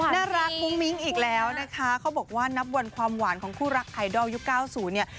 น่ารักมุ้งมิ้งอีกแล้วนะคะเขาบอกว่านับวันความหวานของคู่รักไอดอลยุคเก้าศูนย์เนี้ย